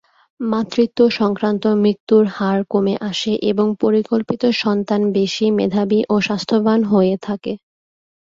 মাতৃত্ব সংক্রান্ত মৃত্যুর হার কমে আসে এবং পরিকল্পিত সন্তান বেশি মেধাবী ও স্বাস্থ্যবান হয়ে থাকে।